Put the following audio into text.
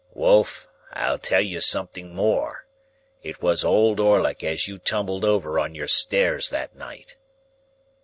"Wolf, I'll tell you something more. It was Old Orlick as you tumbled over on your stairs that night."